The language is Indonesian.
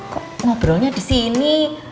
kok ngobrolnya di sini